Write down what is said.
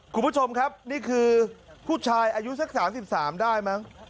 คุณผู้ชมครับนี่คือผู้ชายอายุสัก๓๓ได้มั้ง